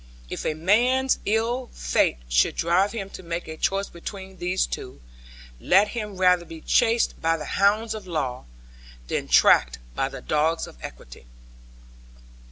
If a man's ill fate should drive him to make a choice between these two, let him rather be chased by the hounds of law, than tracked by the dogs of Equity.